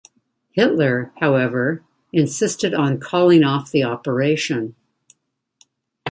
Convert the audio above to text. Hitler, however, insisted on calling off the operation.